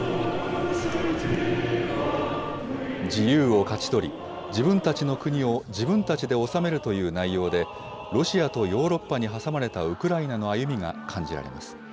自由を勝ち取り、自分たちの国を自分たちで治めるという内容で、ロシアとヨーロッパに挟まれたウクライナの歩みが感じられます。